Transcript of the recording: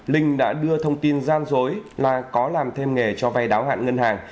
linh đã đưa thông tin gian dối là có làm thêm nghề cho vay đáo hạn ngân hàng